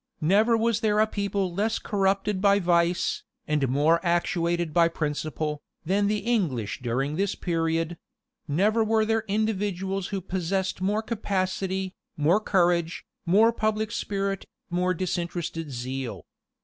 Never was there a people less corrupted by vice, and more actuated by principle, than the English during that period: never were there individuals who possessed more capacity, more courage, more public spirit, more disinterested zeal.